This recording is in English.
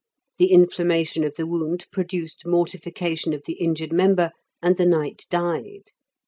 The inflam mation of the wound produced mortification of the injured member, and the knight died.